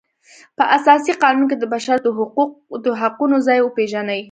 په اساسي قانون کې د بشر د حقونو ځای وپیژني.